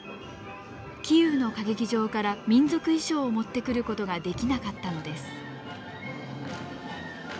キーウの歌劇場から民族衣装を持ってくることができなかったのです。